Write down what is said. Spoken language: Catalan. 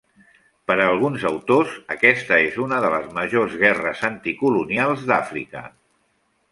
Per a alguns autors, aquesta és una de les majors guerres anticolonials d'Àfrica.